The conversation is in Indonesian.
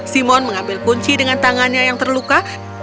simon mengambil kunci dengan tangannya yang terluka